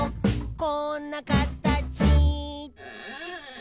「こんなかたち」